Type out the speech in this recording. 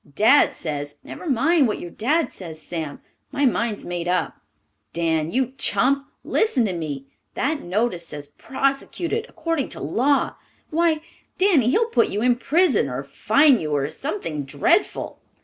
Dad says " "Never mind what your dad says, Sam. My mind's made up." "Dan, you chump, listen to me. That notice says 'prosecuted according to law.' Why, Danny, he'll put you in prison, or fine you, or something dreadful."